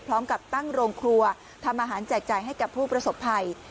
พร้อมกับตั้งโรงครัวทำอาหารแจกจ่ายให้กับผู้ประสบภัย